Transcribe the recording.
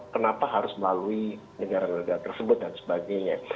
kenapa harus melalui negara negara tersebut dan sebagainya